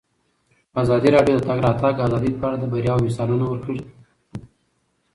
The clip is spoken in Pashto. ازادي راډیو د د تګ راتګ ازادي په اړه د بریاوو مثالونه ورکړي.